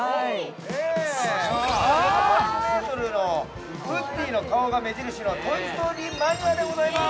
８メートルのウッディの顔が目印のトイ・ストーリー・マニアでございます。